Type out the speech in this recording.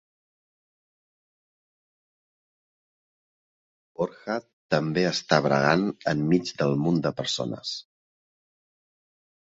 Borja també està bregant en mig del munt de persones.